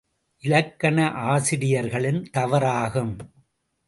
இலக்கண ஆசிரியர்களின் தவறாகும்.